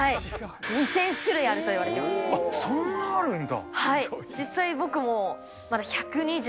２０００種類あるといわれてそんなあるんだ。